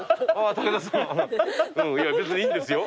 いや別にいいんですよ。